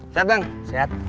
sehat bang sehat